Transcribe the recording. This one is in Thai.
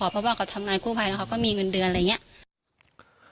เพราะว่าเขาทำงานกู้ภัยแล้วเขาก็มีเงินเดือนอะไรอย่างนี้